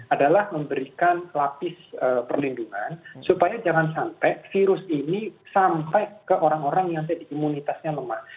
adalah memberikan lapis perlindungan supaya jangan sampai virus ini sampai ke orang orang yang tadi imunitasnya lemah